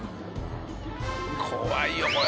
怖いよこれ。